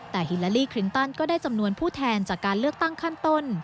แต่ฮิลาลีคลินตันก็ได้จำนวนผู้แทนจากการเลือกตั้งขั้นต้น